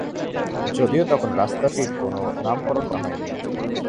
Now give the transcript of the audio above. যদিও তখন রাস্তাটির কোন নামকরণ করা হয়নি।